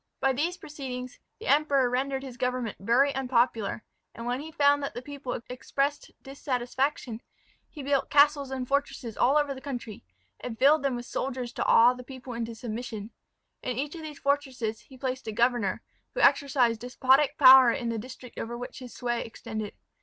By these proceedings the Emperor rendered his government very unpopular, and when he found that the people expressed dissatisfaction, he built castles and fortresses all over the country, and filled them with soldiers to awe the people into submission. In each of these fortresses he placed a governor, who exercised despotic power in the district over which his sway extended.